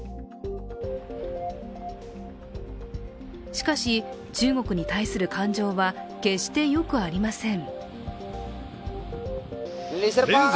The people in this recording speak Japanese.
しかし、中国に対する感情は決してよくありません。